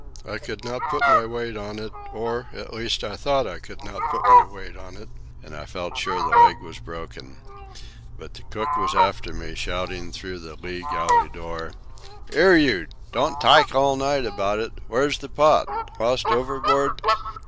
I could not put my weight on it, or, at least, I thought I could not put my weight on it; and I felt sure the leg was broken. But the cook was after me, shouting through the lee galley door: "'Ere, you! Don't tyke all night about it! Where's the pot? Lost overboard?